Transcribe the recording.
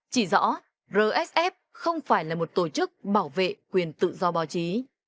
chỉ rõ rsf không phải là một tổ chức bảo vệ quyền tự do báo chí